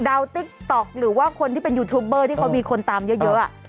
ดาวน์ติ๊กต๊อกหรือว่าคนที่เป็นยูทูบเบอร์ที่เขามีคนตามเยอะเยอะอ่ะ